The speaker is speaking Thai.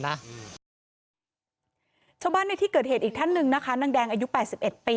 อันนี้ผู้หญิงบอกว่าช่วยด้วยหนูไม่ได้เป็นอะไรกันเขาจะปั้มหนูอะไรอย่างนี้